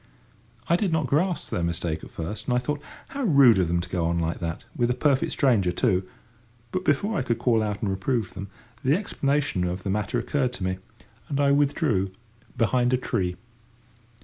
I did not grasp their mistake at first, and I thought, "How rude of them to go on like that, with a perfect stranger, too!" But before I could call out and reprove them, the explanation of the matter occurred to me, and I withdrew behind a tree.